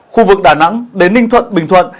khu vực đà nẵng đến ninh thuận bình thuận